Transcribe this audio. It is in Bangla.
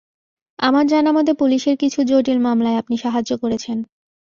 আমার জানামতে পুলিশের কিছু জটিল মামলায় আপনি সাহায্য করেছেন।